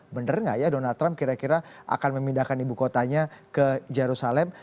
bener gak ya donald trump kira kira akan memindahkan ibu kotanya ke jerusalem